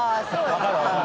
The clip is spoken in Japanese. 分かる分かる。